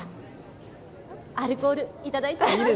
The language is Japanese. アルコールいただいちゃいます。